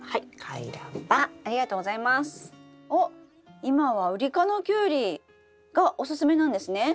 おっ今はウリ科のキュウリがおすすめなんですね。